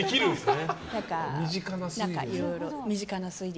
いろいろ、身近な推理。